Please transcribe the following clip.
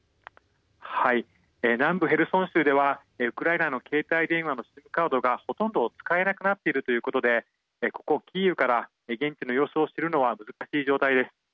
南部ヘルソン州ではウクライナの携帯電話のＳＩＭカードがほとんど使えなくなっているということでここキーウから現地の様子を知るのは難しい状態です。